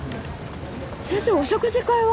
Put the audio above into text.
先生お食事会は？